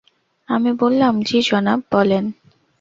আমি বললাম, জ্বি জনাব, বলেন।